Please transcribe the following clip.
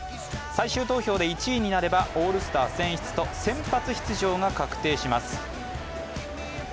最終投票で１位になればオールスター選出と先発出場が確定します。